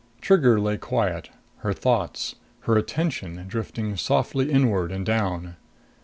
Trigger lay quiet, her thoughts, her attention drifting softly inward and down.